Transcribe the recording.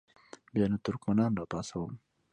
بیا نو ترکمنان را پاڅوم.